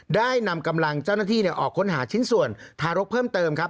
ได้นำกำลังเจ้าหน้าที่ออกค้นหาชิ้นส่วนทารกเพิ่มเติมครับ